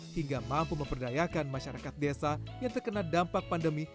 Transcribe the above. hingga mampu memperdayakan masyarakat desa yang terkena dampak pandemi